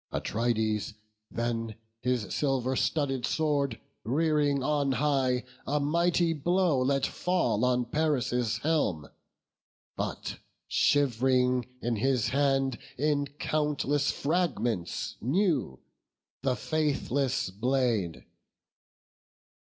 Atrides then his silver studded sword Rearing on high, a mighty blow let fall On Paris' helm; but shiv'ring in his hand In countless fragments new the faithless blade.